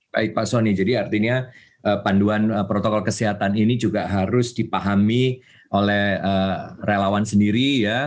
baik pak soni jadi artinya panduan protokol kesehatan ini juga harus dipahami oleh relawan sendiri ya